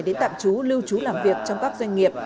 đến tạm trú lưu trú làm việc trong các doanh nghiệp